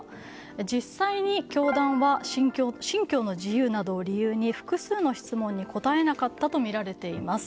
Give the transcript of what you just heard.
実際に、教団は信教の自由などを理由に複数の質問に答えなかったとみられています。